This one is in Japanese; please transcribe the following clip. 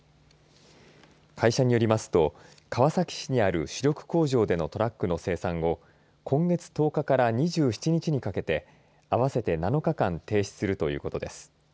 会社によりますと川崎市にある主力工場でのトラックの生産を今月１０日から２７日にかけて合わせて７日間停止するということです。